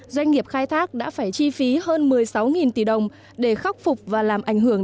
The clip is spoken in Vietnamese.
doanh nghiệp khai thác đã phải chi phí hơn một mươi sáu tỷ đồng để khắc phục và làm ảnh hưởng